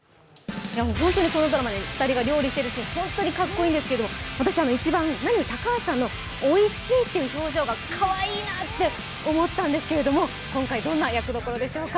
このドラマ、２人が料理しているシーン、本当にかっこいいんですけど、私一番、高橋さんのおいしいって表情がかわいいなって思ったんですけれども今回、どんな役どころでしょうか？